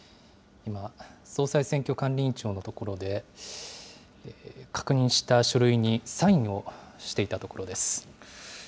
今、総裁選挙管理委員長の所で、確認した書類にサインをしていたところです。